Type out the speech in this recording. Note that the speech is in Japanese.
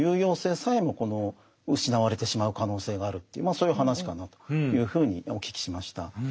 そういう話かなというふうにお聞きしました。